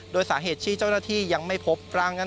โดยสาเหตุที่เจ้าหน้าที่ยังไม่พบร่างนั้น